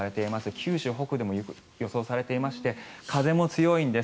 九州北部でも予想されていて風も強いんです。